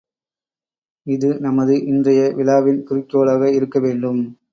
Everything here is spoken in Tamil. இது நமது இன்றைய விழாவின் குறிக்கோளாக இருக்கவேண்டும்.